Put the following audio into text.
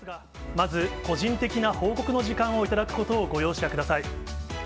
まず個人的な報告の時間を頂くことをご容赦ください。